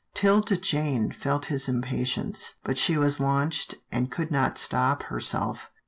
'Tilda Jane felt his impatience, but she was launched, and could not stop herself.